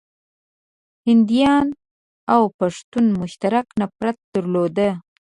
هنديانو او پښتنو مشترک نفرت درلود.